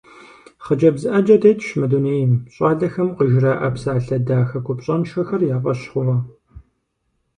Хъыджэбз Ӏэджэ тетщ мы дунейм, щӏалэхэм къыжыраӀэ псалъэ дахэ купщӀэншэхэр я фӀэщ хъууэ.